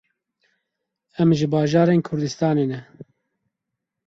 Em ji bajarên Kurdistanê ne.